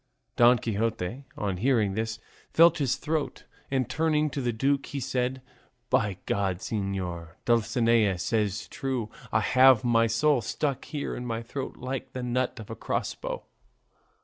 Don Quixote on hearing this felt his throat, and turning to the duke he said, "By God, señor, Dulcinea says true, I have my soul stuck here in my throat like the nut of a crossbow."